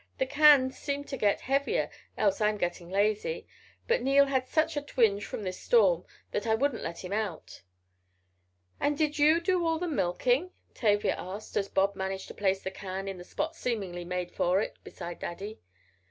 "The cans seem to get heavier, else I am getting lazy. But Neil had such a twinge, from this storm, that I wouldn't let him out." "And did you do all the milking?" Tavia asked, as Bob managed to place the can in the spot seemingly made for it, beside Daddy.